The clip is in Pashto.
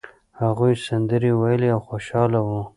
هغوی سندرې ویلې او خوشاله وو.